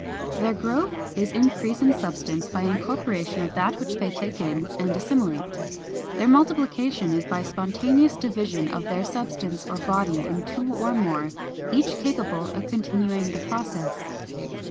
Their growth is increase in substance by incorporation of that which they take in and assimilate. Their multiplication is by spontaneous division of their substance or body into two or more, each capable of continuing the process.